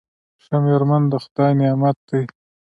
ښه میرمن د خدای نعمت دی.